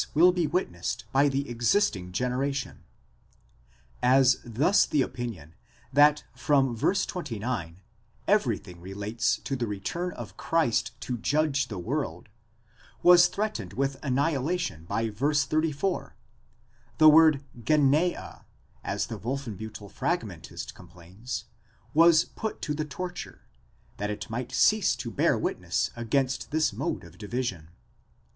will be witnessed by the existing generation. As thus the opinion, that from v. 29, everything relates to the return of Christ to judge the world, was threatened with annihilation by v. 34; the word γενεὰ, as the Wolfenbiittel Fragmentist® complains, was put to the torture, that it might cease to bear witness against this mode of division.